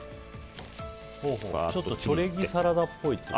ちょっとチョレギサラダっぽい。